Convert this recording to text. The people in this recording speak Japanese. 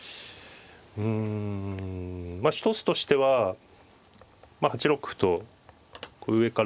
うんまあ一つとしては８六歩と上から受けて。